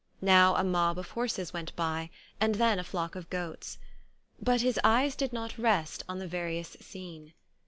Now a mob of horses went by and then a flock of goats. But his eyes did not rest on the various scene.